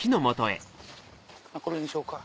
これにしようか。